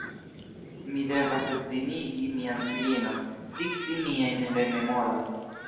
Mi devas edzinigi mian filinon, dikti miajn rememorojn.